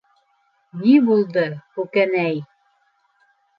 Ни булды, Күкәнәй?